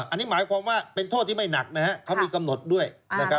อันนี้หมายความว่าเป็นโทษที่ไม่หนักเขามีกำหนดด้วย